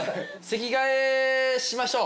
席替えしましょう！